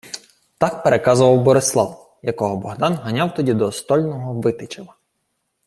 Так переказував Борислав, якого Богдан ганяв тоді до стольного Витичева.